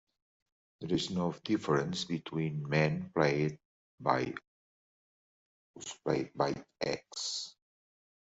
There is no difference between men played by Ohs and those played by Eks.